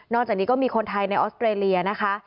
จากนี้ก็มีคนไทยในออสเตรเลียนะคะ